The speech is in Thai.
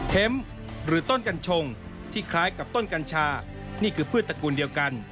หรือต้นกัญชงที่คล้ายกับต้นกัญชานี่คือพืชตระกูลเดียวกัน